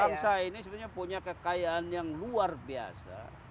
bangsa ini sebenarnya punya kekayaan yang luar biasa